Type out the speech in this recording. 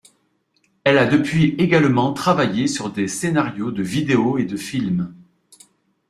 Elle a depuis également travaillé sur des scénarios de vidéos et de films.